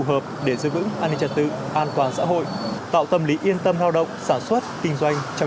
hợp để giữ vững an ninh trật tự an toàn xã hội tạo tâm lý yên tâm lao động sản xuất kinh doanh trong